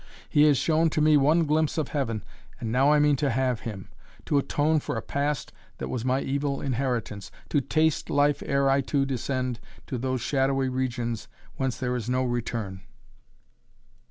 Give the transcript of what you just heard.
He has shown to me one glimpse of heaven, and now I mean to have him, to atone for a past that was my evil inheritance, to taste life ere I too descend to those shadowy regions whence there is no return.